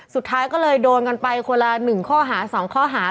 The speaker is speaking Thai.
สุดท้ายก็เลยโดนกันไปคนละ๑ข้อหา๒ข้อหา